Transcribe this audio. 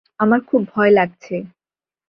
আমার খুব ভয় লাগছে।